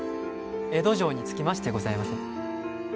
江戸城に着きましてございます。